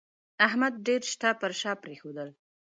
احمد ډېر شته پر شا پرېښول